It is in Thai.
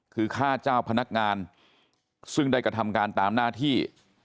คือฆ่าเจ้าพนักงานซึ่งได้กระทำการตามหน้าที่